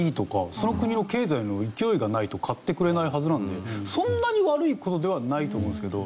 その国の経済の勢いがないと買ってくれないはずなのでそんなに悪い事ではないと思うんですけど。